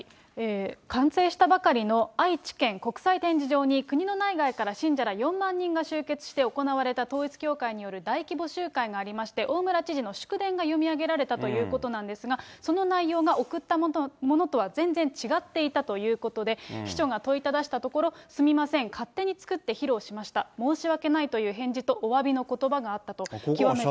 完成したばかりの愛知県国際展示場に、国の内外から信者ら４万人が集結して行われた統一教会による大規模集会がありまして、大村知事の祝電が読み上げられたということなんですが、その内容が送ったものとは全然違っていたということで、秘書が問いただしたところ、すみません、勝手に作って披露しました、申し訳ないという返事とおわびのことばがあったと。